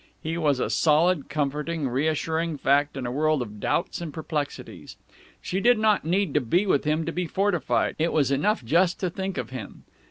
He was a solid, comforting, reassuring fact in a world of doubts and perplexities. She did not need to be with him to be fortified, it was enough just to think of him.